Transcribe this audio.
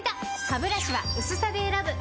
ハブラシは薄さで選ぶ！